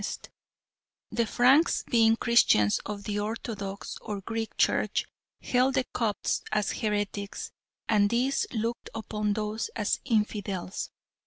The Franks being Christians of the "Orthodox" or Greek Church held the Copts as heretics, and these looked upon those as infidels.